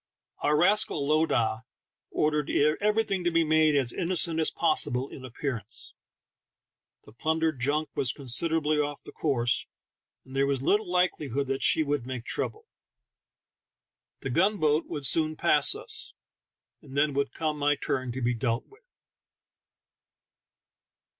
Our rascal lowdah ordered everything to be made as innocent as possible in appearance ; the plundered junk was considerably off the course, and there was little likelihood that she would make trouble. The gun boat would soon pass us, and then would come my turn to be dealt with.